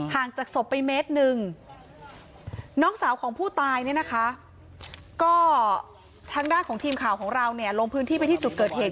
จากศพไปเมตรหนึ่งน้องสาวของผู้ตายเนี่ยนะคะก็ทางด้านของทีมข่าวของเราเนี่ยลงพื้นที่ไปที่จุดเกิดเหตุ